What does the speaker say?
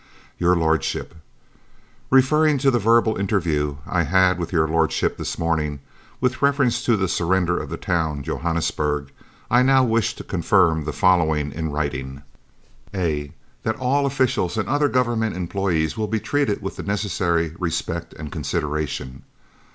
"YOUR LORDSHIP, "Referring to the verbal interview I had with Your Lordship this morning, with reference to the surrender of the town, Johannesburg, I now wish to confirm the following in writing: "(a) That all officials and other Government employees will be treated with the necessary respect and consideration.